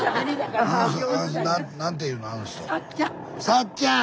さっちゃん！